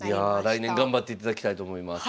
来年頑張っていただきたいと思います。